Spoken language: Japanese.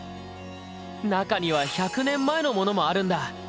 中には１００年前のものもあるんだ。